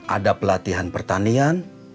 ada pelatihan pertanian